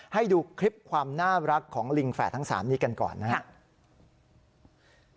ให้ดูคลิปความน่ารักของลิงแฝดทั้ง๓นี้กันก่อนนะครับ